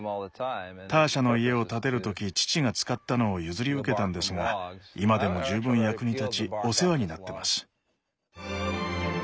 ターシャの家を建てる時父が使ったのを譲り受けたんですが今でも十分役に立ちお世話になってます。